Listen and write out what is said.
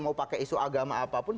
mau pakai isu agama apapun